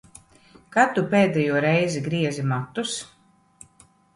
Kad Tu pēdējo reizi griezi matus?